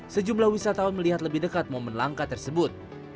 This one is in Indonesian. sejumlah wisatawan melihat lebih dekat momen langka tersebut